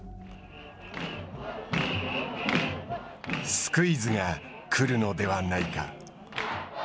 スクイズが来るのではないか。